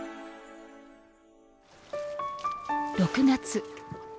６月。